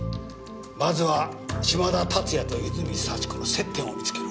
まずは嶋田龍哉と泉幸子の接点を見つけろ。